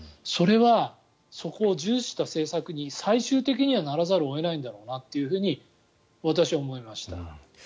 それはそこを重視した政策に最終的にはならざるを得ないんだなと私は思いました。